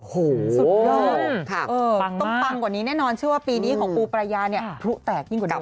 สุดยอดค่ะต้องปังกว่านี้แน่นอนเชื่อว่าปีนี้ของปูปรายาเนี่ยพลุแตกยิ่งกว่าเดิม